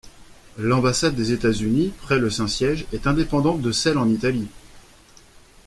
L'ambassade des États-Unis près le Saint-Siège est indépendante de celle en Italie.